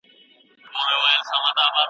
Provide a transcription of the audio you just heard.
طبيعي علوم د لابراتوار په مرسته ثابتېږي.